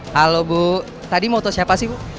halo bu tadi mau foto siapa sih bu